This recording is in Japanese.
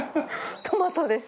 トマトです。